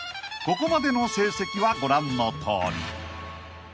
［ここまでの成績はご覧のとおり］